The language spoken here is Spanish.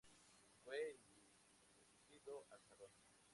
Fue inducido al Salón.